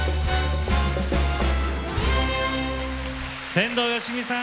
天童よしみさん